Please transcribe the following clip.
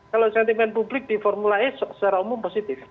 kalau sentimen publik di formula e secara umum positif